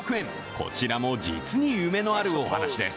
こちらも実に夢のあるお話です。